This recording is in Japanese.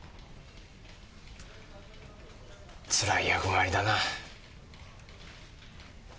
つらい役回りだな。